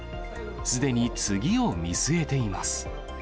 すでに次を見据えています。